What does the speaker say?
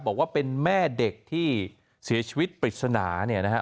บอกว่าเป็นแม่เด็กที่เสียชีวิตปริศนาเนี่ยนะฮะ